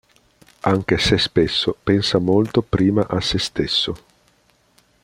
Anche se spesso pensa molto prima a se stesso